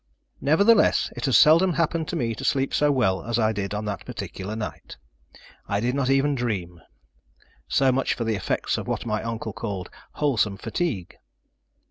Nevertheless, it has seldom happened to me to sleep so well as I did on that particular night. I did not even dream. So much for the effects of what my uncle called "wholesome fatigue."